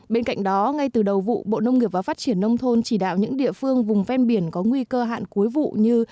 bên cạnh đó ngay từ đầu vụ bộ nông nghiệp và phát triển nông thôn chỉ đạo những địa phương vùng ven biển có nguy cơ hạn cuối vụ như